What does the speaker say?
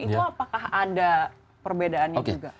itu apakah ada perbedaannya juga